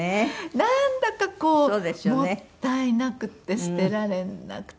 なんだかこうもったいなくて捨てられなくて。